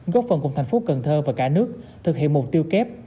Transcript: góp phần cùng thành phố cần thơ và cả nước thực hiện mục tiêu kép